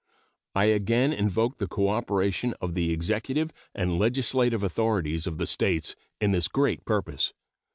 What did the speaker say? I again invoke the cooperation of the executive and legislative authorities of the States in this great purpose.